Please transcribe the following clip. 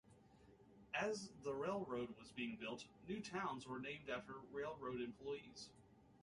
As the railroad was being built, new towns were named after railroad employees.